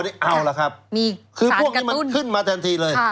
มีศาลกระตุ้นคือพวกนี้เคิ่นมาแทนทีเลย